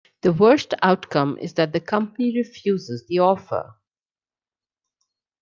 The worst outcome is that the company refuses the offer.